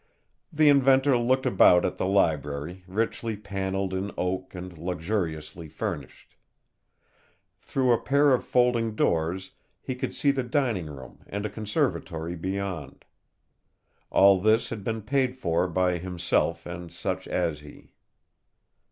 The inventor looked about at the library, richly paneled in oak and luxuriously furnished. Through a pair of folding doors he could see the dining room and a conservatory beyond. All this had been paid for by himself and such as he.